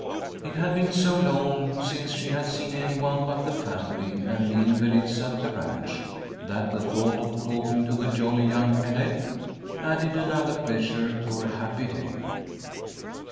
It had been so long since she had seen any one but the family and the invalids at the ranch, that the thought of talking to the jolly young cadet added another pleasure to her happy day.